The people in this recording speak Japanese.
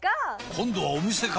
今度はお店か！